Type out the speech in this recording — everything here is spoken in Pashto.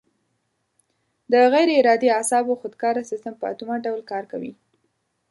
د غیر ارادي اعصابو خودکاره سیستم په اتومات ډول کار کوي.